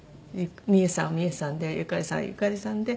ミエさんはミエさんでゆかりさんはゆかりさんで。